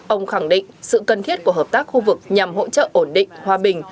ông khẳng định sự cần thiết của hợp tác khu vực nhằm hỗ trợ ổn định hòa bình